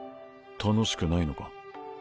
楽しくないのか？